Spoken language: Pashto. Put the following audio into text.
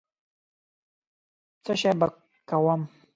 څشي به کوم.